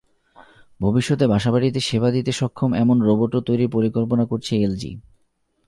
ভবিষ্যতে বাসা বাড়িতে সেবা দিতে সক্ষম এমন রোবটও তৈরির পরিকল্পনা করছে এলজি।